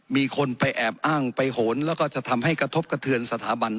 มีคนไปแอบอ้างไปโหนแล้วก็จะทำให้กระทบกระเทือนสถาบัน